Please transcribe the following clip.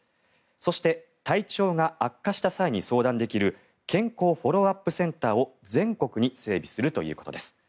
そして、体調が悪化した際に相談できる健康フォローアップセンターを全国に整備するということです。